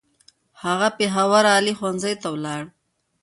هغه پېښور عالي ښوونځی ته ولاړ.